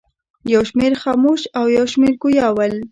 یو شمېر خموش او یو شمېر ګویا ول.